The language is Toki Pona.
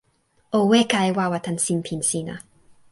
o weka e wawa tan sinpin sina.